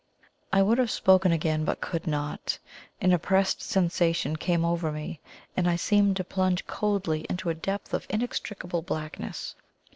I would have spoken again, but could not. An oppressed sensation came over me, and I seemed to plunge coldly into a depth of inextricable blackness.